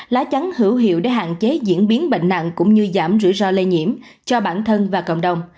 lá chắn hữu hiệu để hạn chế diễn biến bệnh nặng cũng như giảm rủi ro lây nhiễm cho bản thân và cộng đồng